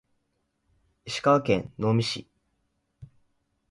石川県能美市